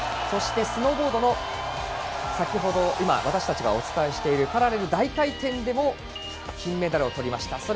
そしてスノーボードの今、私たちはお伝えしているパラレル大回転でも金メダルをとりました。